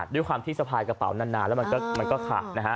ด้วยความที่สะพายกระเป๋านานแล้วมันก็ขาดนะฮะ